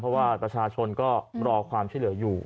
เพราะว่าประชาชนก็รอความช่วยเหลืออยู่